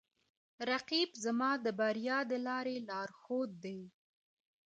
رقیب زما د بریا د لارې لارښود دی